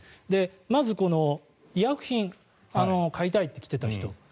まずこの医薬品を買いたいと来ていた人。